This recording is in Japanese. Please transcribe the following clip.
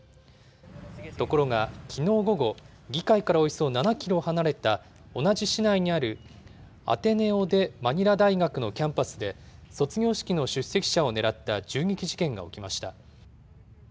ところが、きのう午後、議会からおよそ７キロ離れた同じ市内にあるアテネオ・デ・マニラ大学のキャンパスで、卒業式の出席者を狙った銃撃事件が起きました。